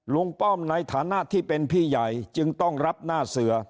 ป้อมในฐานะที่เป็นพี่ใหญ่จึงต้องรับหน้าเสือ